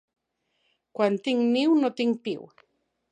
Quan tinc niu, no tinc piu.